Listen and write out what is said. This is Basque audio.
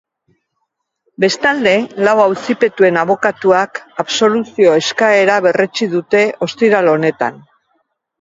Bestalde, lau auzipetuen abokatuak absoluzio eskaera berretsi dute ostiral honetan.